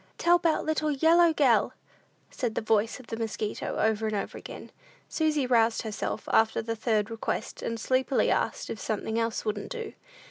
"Tell 'bout little yellow gell," said the voice of the mosquito, over and over again. Susy roused herself after the third request, and sleepily asked if something else wouldn't do?